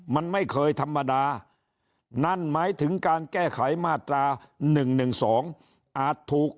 มันไม่เคยธรรมดานั่นหมายถึงการแก้ไขมาตรา๑๑๒อาจถูก